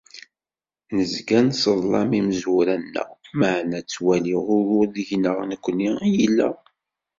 Nezga nseḍlam imezwura-nneɣ, meɛna ttwaliɣ ugur deg-neɣ nekkni i yella.